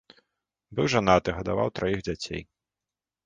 Быў жанаты, гадаваў траіх дзяцей.